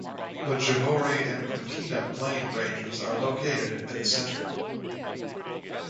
The Javorie and Krupina Plain ranges are located in the centre.